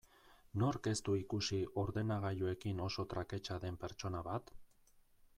Nork ez du ikusi ordenagailuekin oso traketsa den pertsona bat?